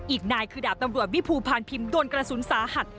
อีกนายคือดาบตำรวจวิภูพานพิมพ์โดนกระสุนสาหัส